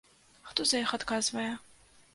Хто за іх адказвае?